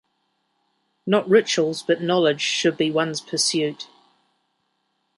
Not rituals, but knowledge should be one's pursuit.